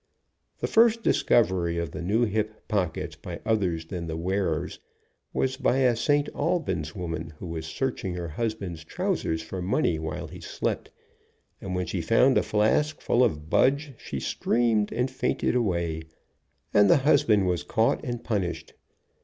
The first discovery of the new hip pockets by others than the wearers, was by a St. Albans woman who was 100 THE DEADLY PISTOL POCKET searching her husband's trousers for money, while he slept, and when she found a flask full of budge, she screamed and fainted away, and the husband was caught and punished.